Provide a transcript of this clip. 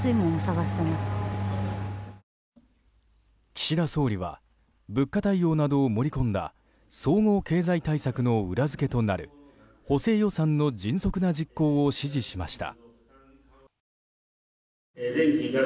岸田総理は物価対応などを盛り込んだ総合経済対策の裏付けとなる補正予算の迅速な実行を指示しました。